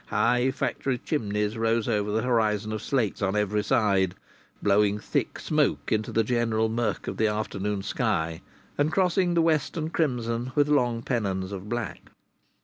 High factory chimneys rose over the horizon of slates on every side, blowing thick smoke into the general murk of the afternoon sky, and crossing the western crimson with long pennons of black.